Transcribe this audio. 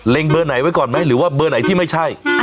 เบอร์ไหนไว้ก่อนไหมหรือว่าเบอร์ไหนที่ไม่ใช่